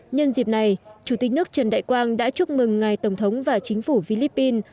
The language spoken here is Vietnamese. nhân dịp này chủ tịch nước trần đại quang đã chúc mừng ngài tổng thống và chính phủ philippines